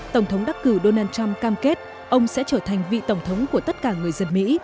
tổng thống đắc cử donald trump cam kết ông sẽ trở thành vị tổng thống của tất cả người dân mỹ